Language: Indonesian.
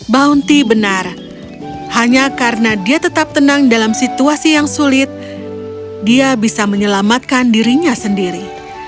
bounty benar hanya karena dia tetap tenang dalam situasi yang sulit dia bisa menyelamatkan dirinya sendiri